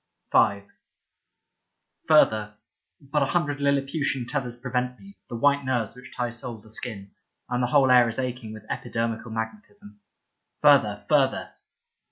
50 Leda V FURTHER — but a hundred Liliputian tethers prevent me, the white nerves which tie soul to skin. And the whole air is aching with epidermical magnetism. Further, further.